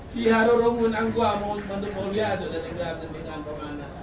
si harorong muna angguak mwantuk mwuliajot dan dengar dan dengar paman